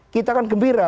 kita kan gembira